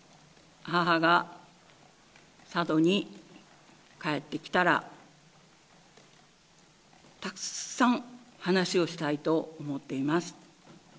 母が佐渡に帰ってきたら、たくさん話をしたいと思っています。